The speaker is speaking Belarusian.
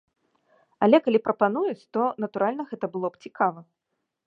Але, калі прапануюць, то, натуральна, гэта было б цікава.